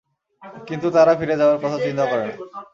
কিন্তু তারা ফিরে যাবার কথা চিন্তাও করেনা।